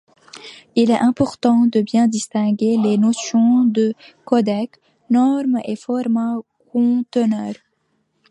Il est important de bien distinguer les notions de codec, norme et format conteneur.